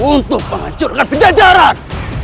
untuk menghancurkan penjajaran